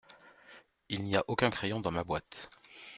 Il n’y a aucun crayon dans ma boîte.